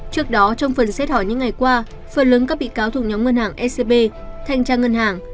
trước đó trong phần xét hỏi những ngày qua phần lớn các bị cáo thuộc nhóm ngân hàng scb thanh tra ngân hàng